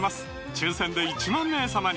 抽選で１万名様に！